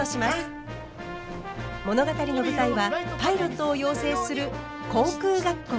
物語の舞台はパイロットを養成する航空学校。